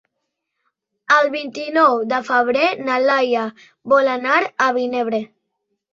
El vint-i-nou de febrer na Laia vol anar a Vinebre.